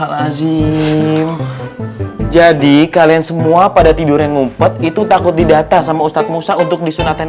al azim jadi kalian semua pada tidur yang ngumpet itu takut didata sama ustadz musa untuk disunatain